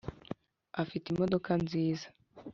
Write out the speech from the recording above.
afite imodoka nziza.